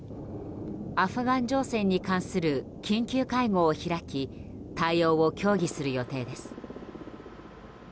アフガン情勢に関する緊急会合を開き対応を協議する予定です。